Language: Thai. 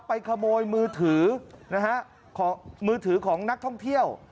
ไปขโมยมือถือของนักท่องเที่ยว